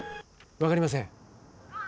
分かりません。